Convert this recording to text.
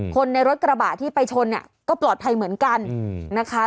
คนในรถกระบะที่ไปชนเนี่ยก็ปลอดภัยเหมือนกันนะคะ